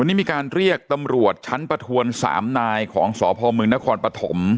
วันนี้มีการเรียกตำรวจชั้นประทวน๓นายของสพมนครปฐม